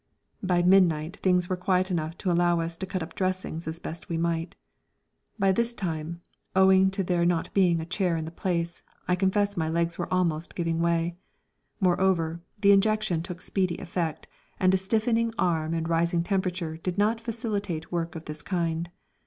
By midnight things were quiet enough to allow us to cut up dressings as best we might. By this time, owing to there not being a chair in the place, I confess my legs were almost giving way. Moreover, the injection took speedy effect, and a stiffening arm and rising temperature do not facilitate work of this kind.